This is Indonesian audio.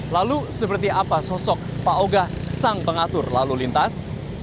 lalu seperti apa sosok pak ogah sang pengatur lalu lintas